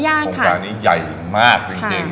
โครงการนี้ใหญ่มากจริง